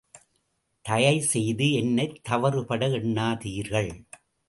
தயைசெய்து என்னைத் தவறுபட எண்ணாதீர்கள்.